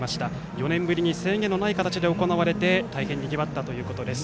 ４年ぶりに制限のない形で行われて大変にぎわったということです。